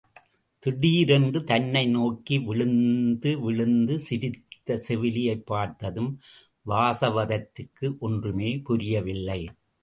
திடீரென்று தன்னை நோக்கி விழுந்து விழுந்து சிரித்த செவிலியைப் பார்த்ததும் வாசவதத்தைக்கு ஒன்றுமே புரியவில்லை.